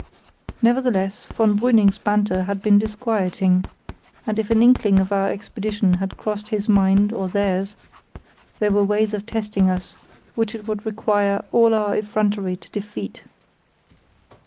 Nevertheless, von Brüning's banter had been disquieting, and if an inkling of our expedition had crossed his mind or theirs, there were ways of testing us which it would require all our effrontery to defeat.